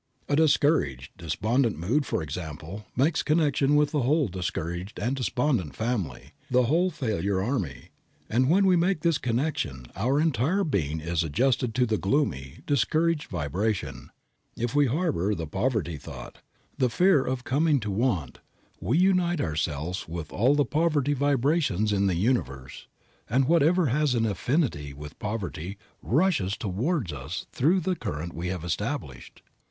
A discouraged, despondent mood, for example, makes connection with the whole discouraged and despondent family, the whole failure army, and when we make this connection our entire being is adjusted to the gloomy, discouraged vibration. If we harbor the poverty thought, the fear of coming to want we unite ourselves with all the poverty vibrations in the universe, and whatever has an affinity with poverty rushes toward us through the current we have established.